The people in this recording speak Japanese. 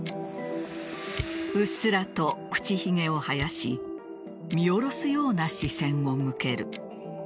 うっすらと口ひげを生やし見下すような視線を向ける。